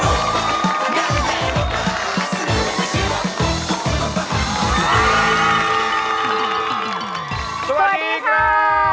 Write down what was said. นั่นมันใช่รถประหาสนุก